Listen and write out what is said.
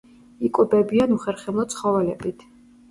იკვებებიან უხერხემლო ცხოველებით.